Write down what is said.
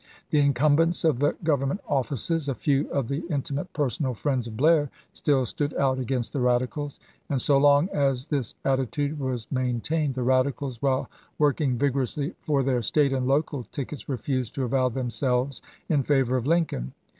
The incumbents of the Government offices, a few of the intimate personal friends of Blair, still stood out against the Radicals ; and so long as this attitude was maintained the Radicals, while working vigor ously for their State and local tickets, refused to avow themselves in favor of Lincoln.